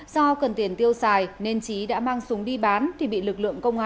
do cần tiền tiêu xài nên trí đã mang súng đi bán